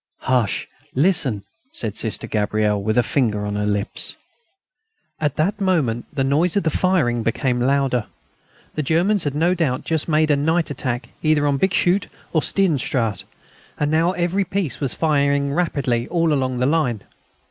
"Hush! Listen," said Sister Gabrielle with a finger on her lips. At that moment the noise of the firing became louder. The Germans had no doubt just made a night attack either on Bixschoote or on Steenstraate, and now every piece was firing rapidly all along the line.